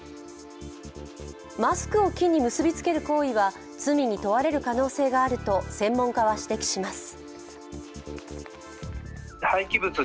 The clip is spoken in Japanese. マスクを木に結びつける行為は罪に問われる可能性があると専門家は指摘します。